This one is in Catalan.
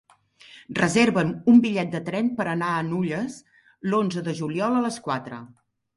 Reserva'm un bitllet de tren per anar a Nulles l'onze de juliol a les quatre.